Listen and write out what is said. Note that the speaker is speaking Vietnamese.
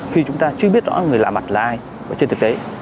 khi chúng ta chưa biết rõ người lã mặt là ai trên thực tế